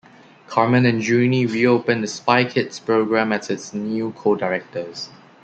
Carmen and Juni reopen the Spy Kids program as its new co-directors.